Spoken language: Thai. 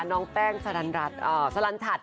น้องแป้งสรรชัด